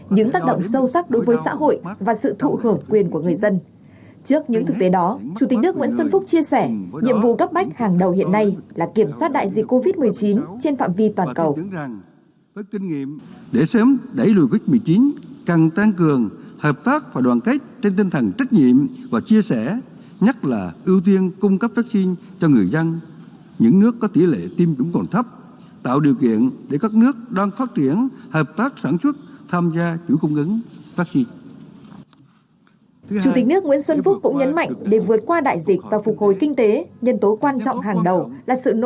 chủ tịch nước nguyễn xuân phúc chia sẻ nhiệm vụ gấp bách hàng đầu hiện nay là kiểm soát đại dịch covid một mươi chín trên phạm vi toàn cầu